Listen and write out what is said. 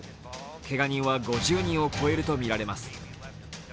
けが人は５０人を超えるとみられます。